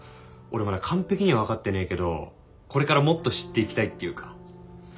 俺まだ完璧には分かってねえけどこれからもっと知っていきたいっていうか。